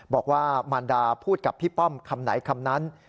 บอกว่ามารดาพูดกับพี่ป้อมคำไหนคำนั้น